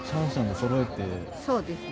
そうですね。